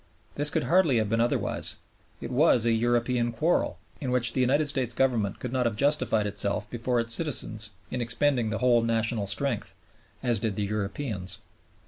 This could hardly have been otherwise. It was a European quarrel, in which the United States Government could not have justified itself before its citizens in expending the whole national strength, as did the Europeans.